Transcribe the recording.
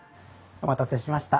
お待たせしました。